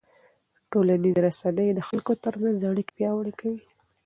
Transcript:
ټولنیزې رسنۍ د خلکو ترمنځ اړیکې پیاوړې کوي.